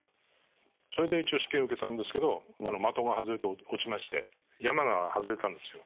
それで一応試験受けたんですけど的が外れて落ちまして山が外れたんですよ。